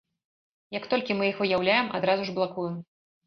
Як толькі мы іх выяўляем, адразу ж блакуем.